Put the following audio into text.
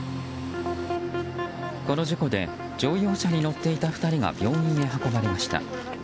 この事故で乗用車に乗っていた２人が病院へ運ばれました。